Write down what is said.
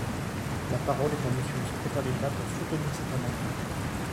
La parole est à Monsieur le secrétaire d’État, pour soutenir cet amendement.